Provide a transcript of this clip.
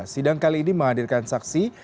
sidang kali ini menghadirkan saksi